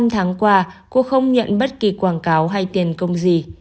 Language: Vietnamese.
một mươi năm tháng qua cô không nhận bất kỳ quảng cáo hay tiền công gì